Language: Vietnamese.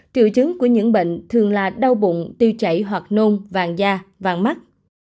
triệu chứng của những bệnh thường là đau bụng tiêu chảy hoặc nôn vàng da vàng mắt